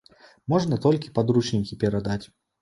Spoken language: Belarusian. Можна толькі падручнікі перадаць.